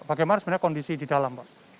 bagaimana sebenarnya kondisi di dalam pak